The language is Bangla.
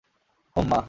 হুম, মা।